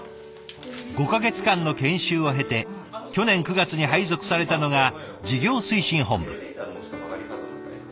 ５か月間の研修を経て去年９月に配属されたのが事業推進本部。